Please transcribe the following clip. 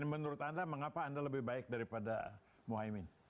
menurut anda mengapa anda lebih baik daripada mohaimin